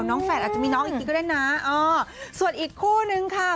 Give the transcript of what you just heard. น้องแฝดอาจจะมีน้องอีกนิดก็ได้นะส่วนอีกคู่นึงค่ะ